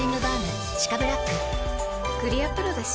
クリアプロだＣ。